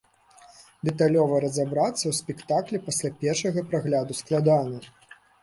Дэталёва разабрацца ў спектаклі пасля першага прагляду складана.